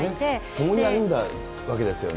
共に歩んだわけですよね。